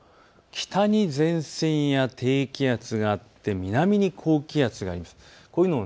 北に前線や低気圧があって南に高気圧があります。